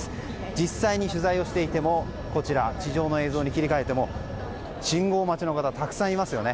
実際に取材をしていても地上の映像に切り替えても信号待ちの方がたくさんいますよね。